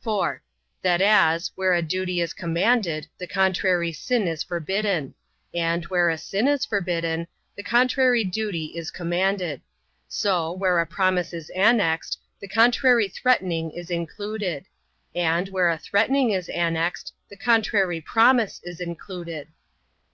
4. That as, where a duty is commanded, the contrary sin is forbidden; and, where a sin is forbidden, the contrary duty is commanded: so, where a promise is annexed, the contrary threatening is included; and, where a threatening is annexed, the contrary promise is included.